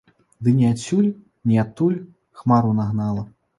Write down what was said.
Ды ні адсюль, ні адтуль хмару нагнала.